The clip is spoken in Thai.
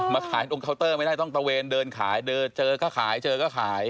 ขายตรงเคาน์เตอร์ไม่ได้ต้องตะเวนเดินขายเดินเจอก็ขายเจอก็ขาย